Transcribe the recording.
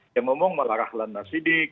yang ngomong malah rahlan nasidik